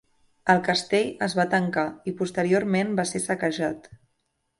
El castell es va tancar i posteriorment va ser saquejat.